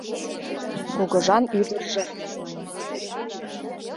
«Кугыжан ӱдыржӧ, — мане.